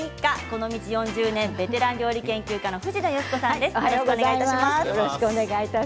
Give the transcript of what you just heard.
この道４０年ベテラン料理研究家の藤野嘉子さんです。